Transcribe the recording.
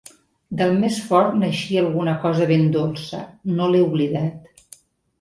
Del més fort n'eixí alguna cosa ben dolça», no l'he oblidat.